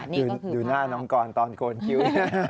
ดูหน้าน้องกรตอนโกนคิ้ว